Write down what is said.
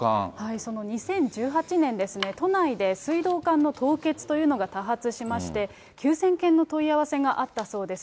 その２０１８年ですね、都内で水道管の凍結というのが多発しまして、９０００件の問い合わせがあったそうです。